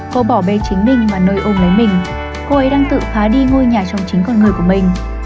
cô bỏ bê chính mình và nơi ô lấy mình cô ấy đang tự phá đi ngôi nhà trong chính con người của mình